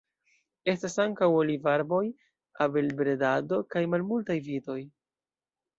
Estas ankaŭ olivarboj, abelbredado kaj malmultaj vitoj.